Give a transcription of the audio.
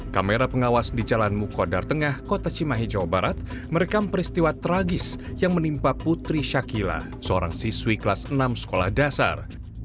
kamera pengawas di jalan mukodar tengah kota cimahi jawa barat merekam peristiwa tragis yang menimpa putri shakila seorang siswi kelas enam sekolah dasar